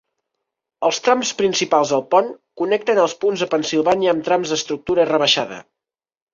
Els trams principals del pont connecten els punts de Pennsilvània amb trams d'estructura rebaixada.